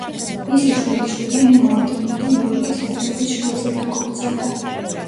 მისი შვილიშვილი, ენ მორტიმერი იორკის ჰერცოგის შვილზე დაქორწინდა.